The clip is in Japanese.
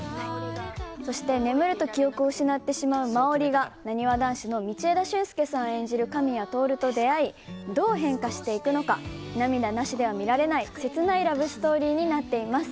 そして、眠ると記憶を失ってしまう真織がなにわ男子の道枝駿佑さん演じる神谷透と出会いどう変化していくのか涙なしでは見られない切ないラブストーリーになっています。